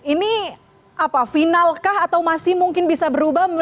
ini apa final kah atau masih mungkin bisa berubah